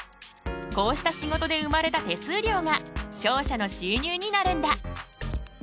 こうした仕事で生まれた手数料が商社の収入になるんだ。